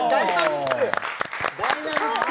ダイナミック。